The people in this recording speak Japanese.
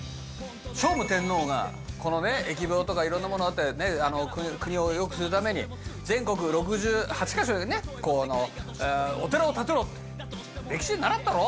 聖武天皇がこのね疫病とか色んなものあって国をよくするために全国６８か所にねこのお寺を建てろって歴史で習ったろ？